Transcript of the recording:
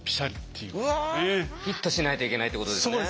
フィットしないといけないってことですね。